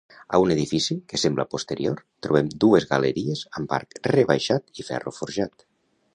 A un edifici, que sembla posterior, trobem dues galeries amb arc rebaixat i ferro forjat.